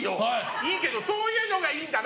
いいけど、そういうのがいいんだな！